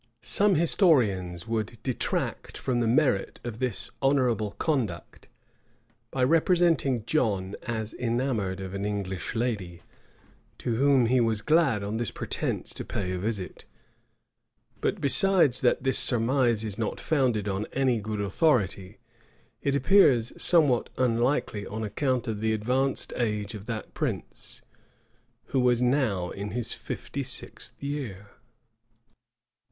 Some historians would detract from the merit of this honorable conduct, by representing John as enamored of an English lady, to whom he was glad on this pretence to pay a visit; but besides that this surmise is not founded on any good authority, it appears somewhat unlikely on account of the advanced age of that prince, who was now in his fifty sixth year.